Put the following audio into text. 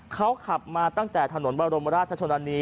เขาขับมาตั้งแต่ถนนบรมราชชนนานี